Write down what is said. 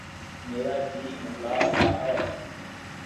میرا جی متلا رہا ہے